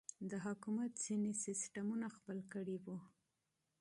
د حکومت ځينې سسټمونه خپل کړي وو.